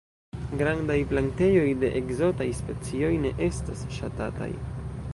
Grandaj plantejoj de ekzotaj specioj ne estas ŝatataj.